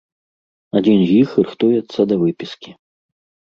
Адзін з іх рыхтуецца да выпіскі.